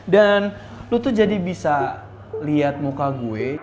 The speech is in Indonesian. dan lu tuh jadi bisa liat muka gue